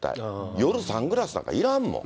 夜サングラスなんかいらんもん。